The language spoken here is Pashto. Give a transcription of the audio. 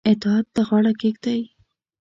اطاعت ته غاړه کښيږدي.